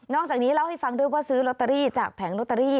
จากนี้เล่าให้ฟังด้วยว่าซื้อลอตเตอรี่จากแผงลอตเตอรี่